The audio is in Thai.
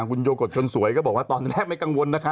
คุณโยกฎชนสวยก็บอกว่าตอนแรกไม่กังวลนะคะ